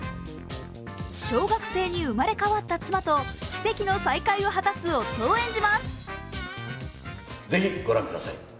小学生に生まれ変わった妻と奇跡の再会を果たす夫を演じます。